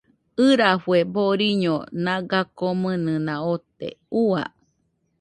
ɨrafue boriño naga komɨnɨna ote, Ua